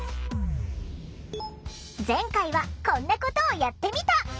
前回はこんなことをやってみた。